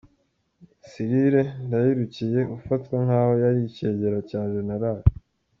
Cyrille Ndayirukiye ufatwa nk’aho yari icyegera cya Gen.